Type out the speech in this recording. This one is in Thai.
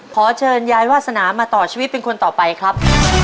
ขอเชิญยายวาสนามาต่อชีวิตเป็นคนต่อไปครับ